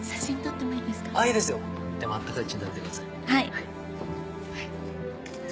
はい。